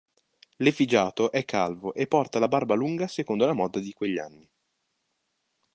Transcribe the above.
L'effigiato è calvo e porta la barba lunga secondo la moda di quegli anni.